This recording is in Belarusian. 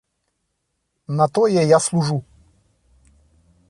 На тое я служу.